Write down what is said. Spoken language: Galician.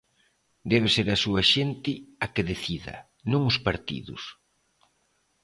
Debe ser a súa xente a que decida, non os partidos.